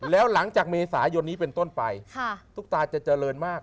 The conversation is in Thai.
แล้วหลังจากเมษายนนี้เป็นต้นไปตุ๊กตาจะเจริญมาก